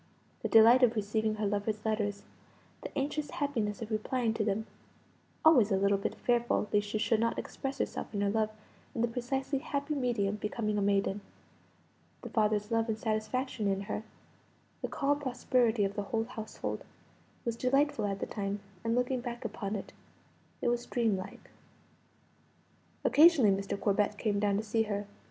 The delight of receiving her lover's letters the anxious happiness of replying to them (always a little bit fearful lest she should not express herself and her love in the precisely happy medium becoming a maiden) the father's love and satisfaction in her the calm prosperity of the whole household was delightful at the time, and, looking back upon it, it was dreamlike. Occasionally Mr. Corbet came down to see her.